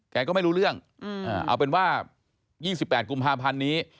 ก็ไม่รู้เรื่องเอาเป็นว่า๒๘กุมภาพันธ์นี้